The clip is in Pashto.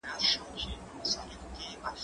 زه پرون کتاب وليکم!!